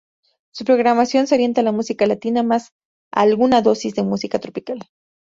Su programación se orienta a la musica latina, más alguna dosis de música tropical.